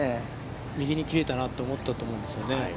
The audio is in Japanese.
右に切れたなと思ったと思うんですよね。